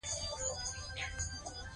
هغه لس کاله هلته د اوسپنو نینې وچیچلې.